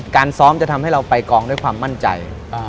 การซ้อมจะทำให้เราไปกองด้วยความมั่นใจ